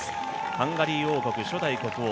ハンガリー王国初代国王